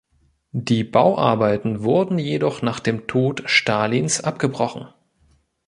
Die Bauarbeiten wurden jedoch nach dem Tod Stalins abgebrochen.